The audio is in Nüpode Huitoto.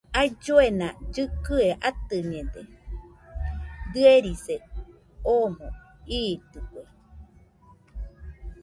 Aillue kɨkɨaɨ atɨñede, dɨerise omo iitɨkue.